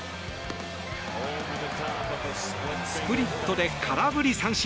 スプリットで空振り三振。